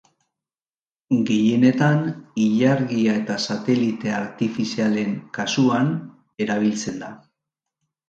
Gehienetan ilargia eta satelite artifizialen kasuan erabiltzen da.